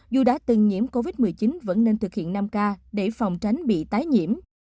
dù đã từng nhiễm covid một mươi chín vẫn nên thực hiện năm k để phòng tránh bị tái nhiễm